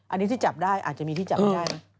อันนี้ที่จับได้อาจจะมีที่จับไม่ได้นะ